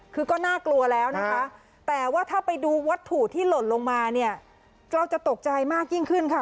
คือก็น่ากลัวแล้วนะคะแต่ว่าถ้าไปดูวัตถุที่หล่นลงมาเนี่ยเราจะตกใจมากยิ่งขึ้นค่ะ